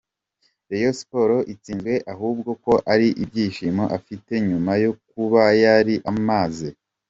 Rayon Sports itsinzwe ahubwo ko ari ibyishimo afite nyuma yo kuba yari amaze.